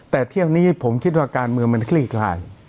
แต่เที่ยวนี้ผมคิดว่าการเมืองมันคลี่คลาย